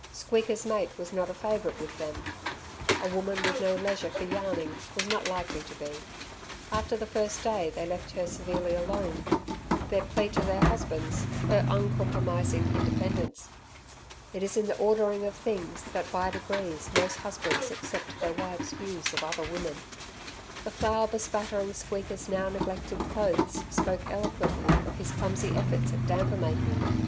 Squeaker's mate was not a favourite with them a woman with no leisure for yarning was not likely to be. After the first day they left her severely alone, their plea to their husbands, her uncompromising independence. It is in the ordering of things that by degrees most husbands accept their wives' views of other women. The flour bespattering Squeaker's now neglected clothes spoke eloquently of his clumsy efforts at damper making.